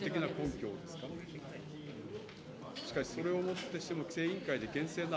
しかしそれをもってしても規制委員会で厳正な判断。